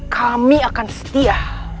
kami akan setia